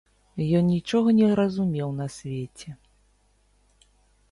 Ён нічога не разумеў на свеце.